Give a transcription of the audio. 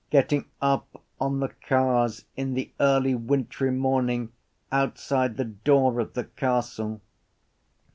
Getting up on the cars in the early wintry morning outside the door of the castle.